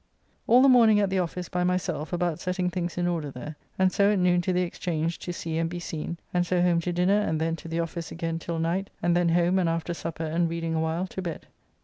All the morning at the office by myself about setting things in order there, and so at noon to the Exchange to see and be seen, and so home to dinner and then to the office again till night, and then home and after supper and reading a while to bed.